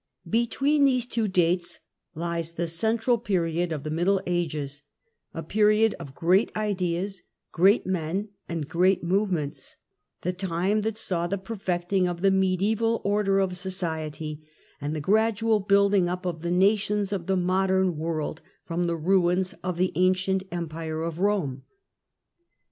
Between these two dates lies the central period of the Middle Ages, a period of great ideas, great men and great movements, the time that saw the perfecting of the mediaeval order of society, and the gradual building up of the nations of the modern world from the ruins of the ancient Empire of Eome.